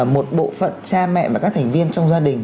một bộ phận cha mẹ và các thành viên trong gia đình